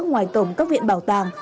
ngoài tổng các viện bảo tàng